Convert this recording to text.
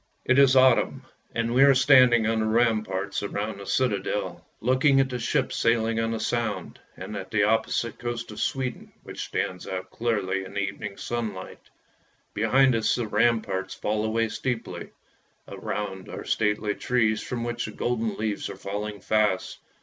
IT is autumn, and we are standing on the ramparts round the citadel, looking at the ships sailing on the Sound, and at the opposite coast of Sweden which stands out clearly in the evening sun light. Behind us the ramparts fall away steeply; around are stately trees from which the golden leaves are falling fast.